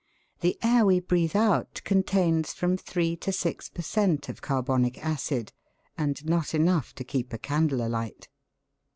The air we breathe out contains from three to six per cent', of carbonic acid, and not enough to keep a candle alight.